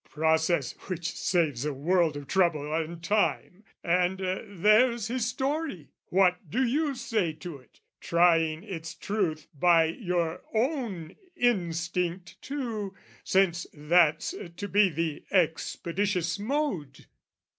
Process which saves a world of trouble and time, And there's his story: what do you say to it, Trying its truth by your own instinct too, Since that's to be the expeditious mode?